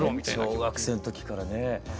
小学生の時からね。